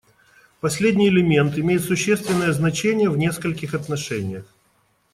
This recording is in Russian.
Последний элемент имеет существенное значение в нескольких отношениях.